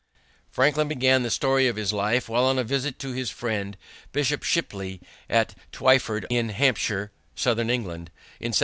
Franklin began the story of his life while on a visit to his friend, Bishop Shipley, at Twyford, in Hampshire, southern England, in 1771.